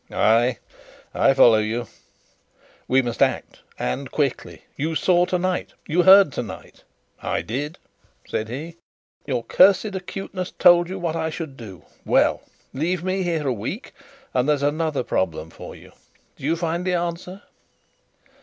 "Ay, I follow you." "We must act, and quickly! You saw tonight you heard tonight " "I did," said he. "Your cursed acuteness told you what I should do. Well, leave me here a week and there's another problem for you. Do you find the answer?"